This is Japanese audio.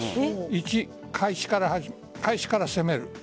１、開始から攻める。